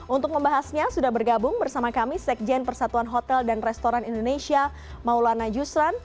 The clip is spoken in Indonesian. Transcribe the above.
untuk membahasnya sudah bergabung bersama kami sekjen persatuan hotel dan restoran indonesia maulana yusran